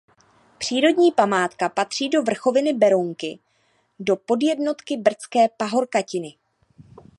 Přírodní památka patří do Vrchoviny Berounky do podjednotky Brdské pahorkatiny.